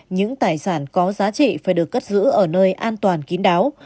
những tài sản có giá trị phải được cất giữ ở nơi an toàn kín đáo